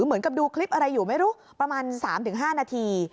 เหมือนกับดูคลิปอะไรอยู่ไม่รู้ประมาณ๓๕นาที